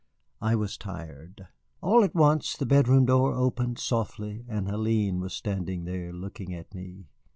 I was tired. All at once the bedroom door opened softly, and Hélène was standing there, looking at me.